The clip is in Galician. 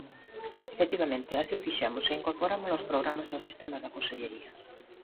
Efectivamente, así o fixemos, e incorporámolo aos programas e ao sistema da Consellería.